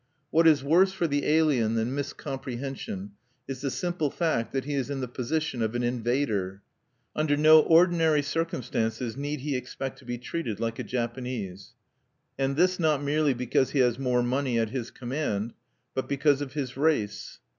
What is worse for the alien than miscomprehension is the simple fact that he is in the position of an invader. Under no ordinary circumstances need he expect to be treated like a Japanese, and this not merely because he has more money at his command, but because of his race.